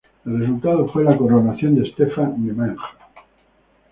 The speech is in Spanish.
El resultado fue la coronación de Stefan Nemanja.